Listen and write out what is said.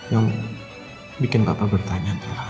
yang bikin papa bertanya adalah